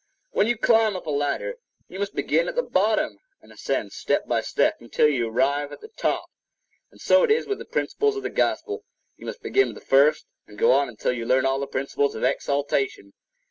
When you climb up a ladder, you must begin at the bottom, and ascend step by step, until you arrive at the top; and so it is with the principles of the Gospel—you must begin with the first, and go on until you learn all the principles of exaltation.